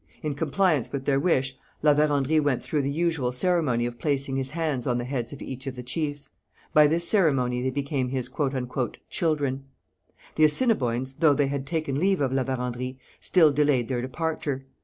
In compliance with their wish, La Vérendrye went through the usual ceremony of placing his hands on the heads of each of the chiefs. By this ceremony they became his 'children.' The Assiniboines, though they had taken leave of La Vérendrye, still delayed their departure.